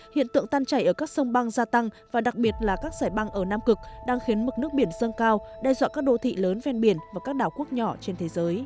hiện tượng tan chảy ở các sông băng gia tăng và đặc biệt là các giải băng ở nam cực đang khiến mực nước biển dâng cao đe dọa các đô thị lớn ven biển và các đảo quốc nhỏ trên thế giới